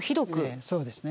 ええそうですね。